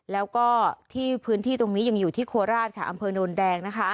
แล้วก็ที่พื้นที่ตรงนี้ยังอยู่ที่โคราชค่ะอำเภอโนนแดงนะคะ